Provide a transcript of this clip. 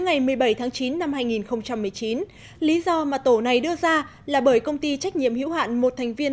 ngày một mươi bảy tháng chín năm hai nghìn một mươi chín lý do mà tổ này đưa ra là bởi công ty trách nhiệm hữu hạn một thành viên